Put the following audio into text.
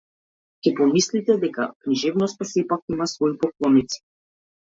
Ќе помислите дека книжевноста сепак има свои поклоници.